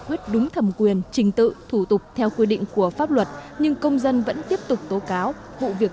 quyết đúng thầm quyền trình tự thủ tục theo quy định của pháp luật nhưng công dân vẫn tiếp tục